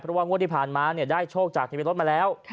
เพราะว่างวดที่ผ่านมาได้โชคจากทะเบียรถมาแล้ว